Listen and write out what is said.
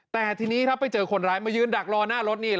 แต่ทีนี้ครับไปเจอคนร้ายมายืนดักรอหน้ารถนี่